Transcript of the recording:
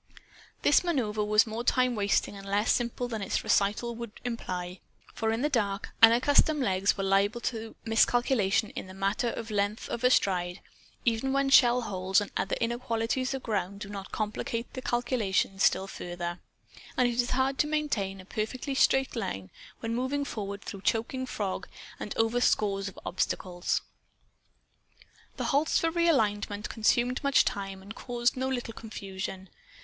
This maneuver was more time wasting and less simple than its recital would imply. For in the dark, unaccustomed legs are liable to miscalculation in the matter of length of stride, even when shell holes and other inequalities of ground do not complicate the calculations still further. And it is hard to maintain a perfectly straight line when moving forward through choking fog and over scores of obstacles. The halts for realignment consumed much time and caused no little confusion.